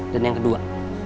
dan yang kedua